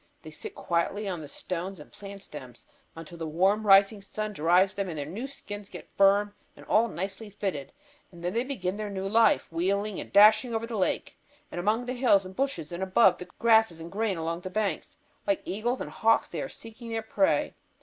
They sit quietly on the stones and plant stems until the warm rising sun dries them and their new skins get firm and all nicely fitted, and then they begin their new life, wheeling and dashing over the lake and among the hills and bushes and above the grasses and grain along the banks. Like eagles and hawks they are seeking their prey.